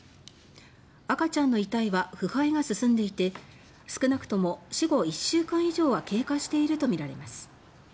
赤ちゃんの遺体は腐敗が進んでいて少なくとも死後１週間以上は経過しているとみられます。